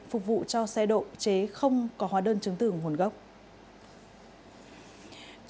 phục vụ cho xe độ chế không có hóa đơn chứng tử nguồn gốc